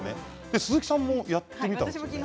鈴木さんもやってみたんですよね。